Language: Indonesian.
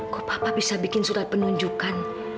kok papa bisa bikin surat penunjukan